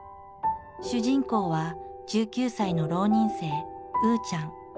主人公は１９歳の浪人生うーちゃん。